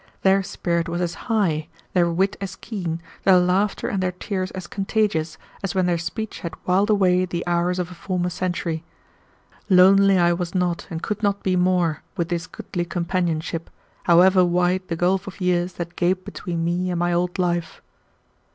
Their spirit was as high, their wit as keen, their laughter and their tears as contagious, as when their speech had whiled away the hours of a former century. Lonely I was not and could not be more, with this goodly companionship, however wide the gulf of years that gaped between me and my old life.